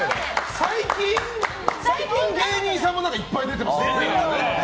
最近、芸人さんもいっぱい出てますよね。